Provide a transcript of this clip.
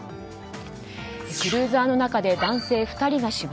クルーザーの中で男性２人が死亡。